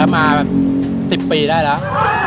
มาแบบ๑๐ปีได้แล้ว